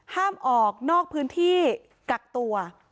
ห้ามออกนอกพื้นที่กักตัว